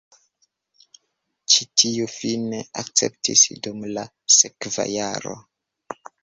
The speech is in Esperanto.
Ĉi tiu fine akceptis dum la sekva jaro.